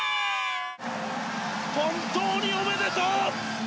本当におめでとう！